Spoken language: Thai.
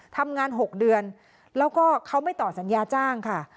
ทำงาน๖เดือนแล้วก็เขาไม่ต่อสัญญาจ้างค่ะ